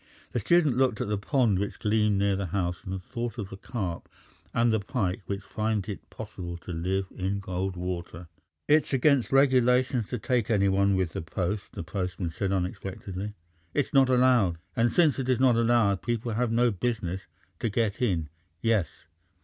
The student looked at the pond which gleamed near the house and thought of the carp and the pike which find it possible to live in cold water.... "It's against the regulations to take anyone with the post...." the postman said unexpectedly. "It's not allowed! And since it is not allowed, people have no business... to get in.... Yes.